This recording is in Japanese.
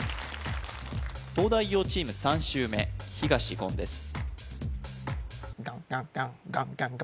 東大王チーム３周目東言です